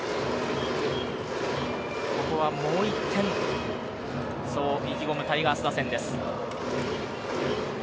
ここはもう１点、そう意気込むタイガース打線です。